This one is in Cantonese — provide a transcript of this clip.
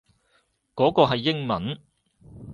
嗰個係英文